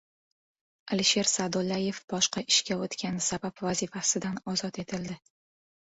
Alisher Sa’dullayev boshqa ishga o‘tgani sabab vazifasidan ozod etildi